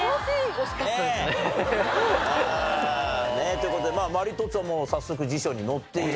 という事で「マリトッツォ」も早速辞書に載っている。